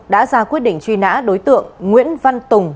đã ra quyết định truy nã đối tượng nguyễn văn tùng